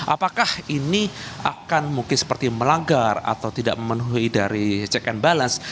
apakah ini akan mungkin seperti melanggar atau tidak memenuhi dari check and balance